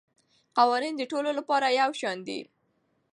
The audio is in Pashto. قوانین د ټولو لپاره یو شان دي.